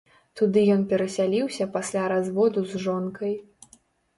Туды ён перасяліўся пасля разводу з жонкай.